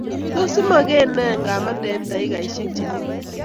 tos imagene ngamande eng takikaishek chengering